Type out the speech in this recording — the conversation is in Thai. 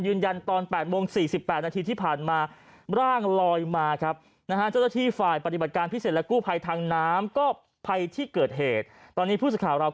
ยืนยันตอน๘โมง๔๘นาทีที่ผ่านมา